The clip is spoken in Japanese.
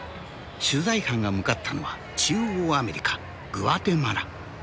取材班が向かったのは中央アメリカグアテマラ。